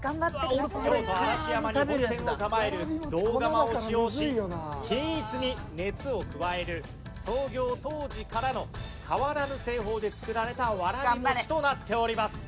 京都嵐山に本店を構える銅釜を使用し均一に熱を加える創業当時からの変わらぬ製法で作られたわらびもちとなっております。